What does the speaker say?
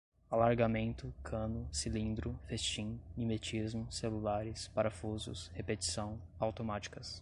alargamento, cano, cilindro, festim, mimetismo, celulares, parafusos, repetição, automáticas